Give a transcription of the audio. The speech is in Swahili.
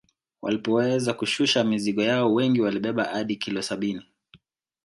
Walipoweza kushusha mizigo yao wengi walibeba hadi kilo sabini